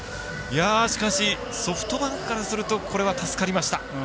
しかし、ソフトバンクからするとこれは助かりました。